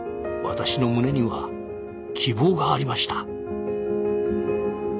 私の胸には希望がありました。